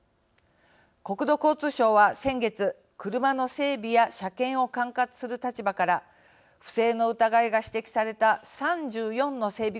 国土交通省は先月、車の整備や車検を管轄する立場から不正の疑いが指摘された３４の整備